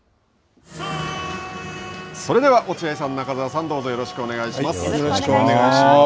それでは、落合さん中澤さん、よろしくお願いします。